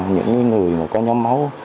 những người có nhóm máu